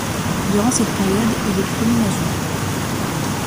Durant cette période, il est promu major.